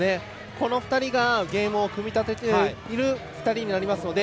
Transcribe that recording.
この２人がゲームを組み立てている２人になりますので。